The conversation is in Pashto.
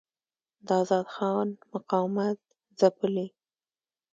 د آزاد خان مقاومت ځپلی.